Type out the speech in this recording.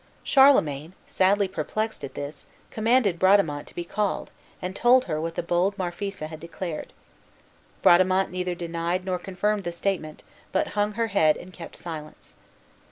Charlemagne, sadly perplexed at this, commanded Bradamante to be called, and told her what the bold Marphisa had declared. Bradamante neither denied nor confirmed the statement, but hung her head, and kept silence.